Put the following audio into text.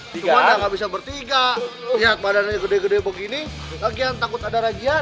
cuma udah gak bisa bertiga lihat badannya gede gede begini lagi yang takut ada rajian